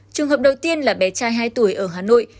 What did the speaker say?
trường hợp đầu tiên là bé trai hai tuổi ở hà nội